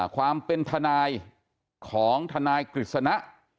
ความเป็นทนายของทนายกฤษณะ